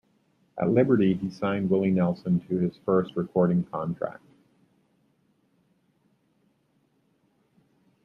At Liberty he signed Willie Nelson to his first recording contract.